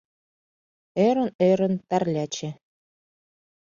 Ӧрын-ӧрын, Тарляче